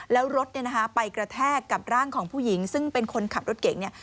แล้วรถเนี่ยนะคะไปกระแทกกับร่างของผู้หญิงซึ่งเป็นคนขับรถเก่งเนี่ย